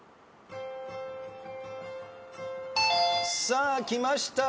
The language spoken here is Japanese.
さあきました。